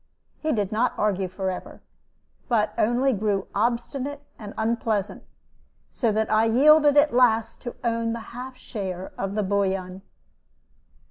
He did not argue forever, but only grew obstinate and unpleasant, so that I yielded at last to own the half share of the bullion.